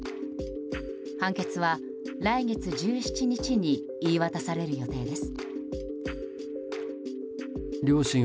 判決は、来月１７日に言い渡される予定です。